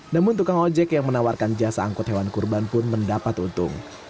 namun tukang ojek yang menawarkan jasa angkut hewan kurban pun mendapat untung